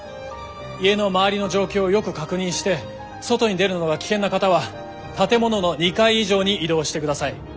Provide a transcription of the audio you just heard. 家の周りの状況をよく確認して外に出るのが危険な方は建物の２階以上に移動してください。